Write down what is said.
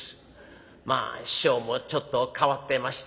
まあ師匠もちょっと変わってました。